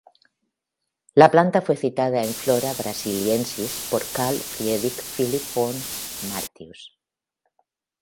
La planta fue citada en Flora Brasiliensis por Carl Friedrich Philipp von Martius.